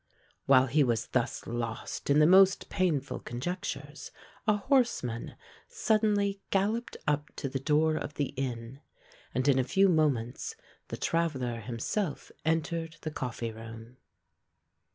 While he was thus lost in the most painful conjectures, a horseman suddenly galloped up to the door of the inn; and in a few moments the traveller himself entered the coffee room.